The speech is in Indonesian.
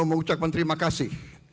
mengucapkan terima kasih